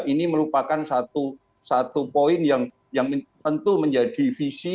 ini merupakan satu poin yang tentu menjadi visi